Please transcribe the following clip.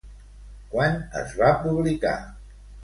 Quan es va publicar?